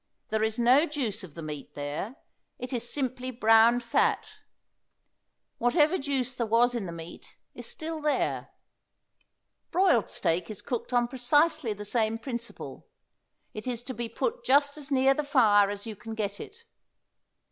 There is no juice of the meat there; it is simply browned fat. Whatever juice there was in the meat is still there. Broiled steak is cooked on precisely the same principle. It is to be put just as near the fire as you can get it.